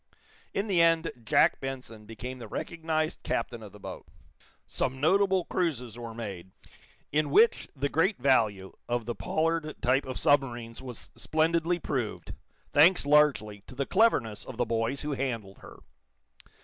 In the end Jack Benson became the recognized captain of the boat. Some notable cruises were made, in which the great value of the Pollard type of submarines was splendidly proved, thanks largely to the cleverness of the boys who handled her.